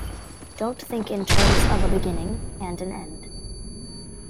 Don't think in terms of a beginning and an end.